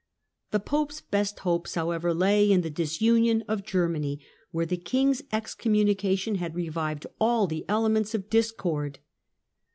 The Pope's best hopes, however, lay in the disunion of Germany, where the king's ex communication had revived all the elements of discord.